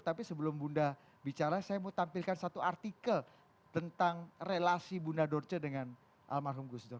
tapi sebelum bunda bicara saya mau tampilkan satu artikel tentang relasi bunda dorce dengan almarhum gus dur